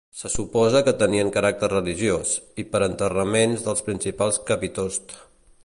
Se suposa que tenien caràcter religiós, i per enterraments dels principals capitosts.